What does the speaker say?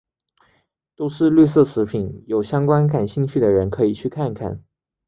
都是绿色食品有相关感兴趣的人可以去看看。